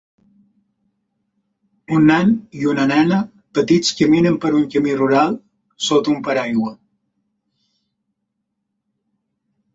Un nen i una nena petits caminen per un camí rural sota un paraigua.